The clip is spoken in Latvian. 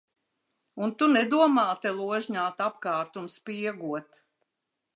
Un tu nedomā te ložņāt apkārt un spiegot.